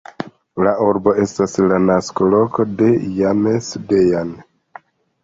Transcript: La urbo estas la nasko-loko de James Dean.